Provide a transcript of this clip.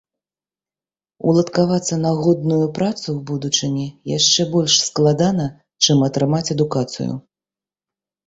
Уладкавацца на годную працу ў будучыні яшчэ больш складана, чым атрымаць адукацыю.